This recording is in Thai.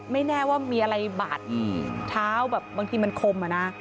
ไม่แน่ว่ามีอะไรบ่าดเท้าบางทีมันคม